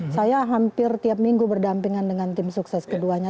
saya hampir tiap minggu berdampingan dengan tim sukses keduanya